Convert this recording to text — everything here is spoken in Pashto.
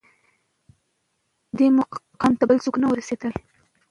دې مقام ته بل څوک نه وه رسېدلي